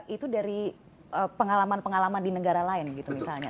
itu dari pengalaman pengalaman di negara lain gitu misalnya